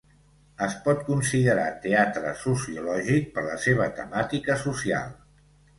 Es pot considerar teatre sociològic per la seva temàtica social.